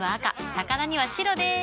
魚には白でーす。